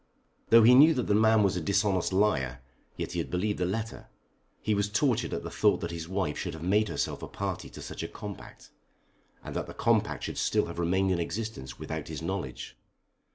Though he knew that the man was a dishonest liar yet he had believed the letter. He was tortured at the thought that his wife should have made herself a party to such a compact, and that the compact should still have remained in existence without his knowledge.